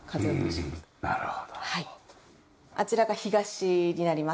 あちらが東になりますね。